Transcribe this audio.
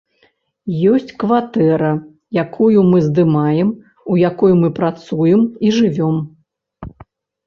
Ёсць кватэра, якую мы здымаем, у якой мы працуем і жывём.